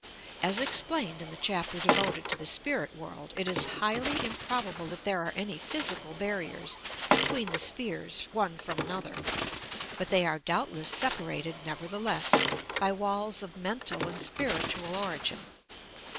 As explained in the chapter devoted to the "Spirit World," it is highly im probable that there are any physical barriers between the "spheres," one from another ^ but they are doubt less separated, nevertheless, by walla of mental and spiritual origin.